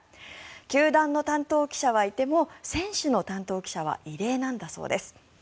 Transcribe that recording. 球団の担当記者はいても選手の担当記者は異例なんだそうです。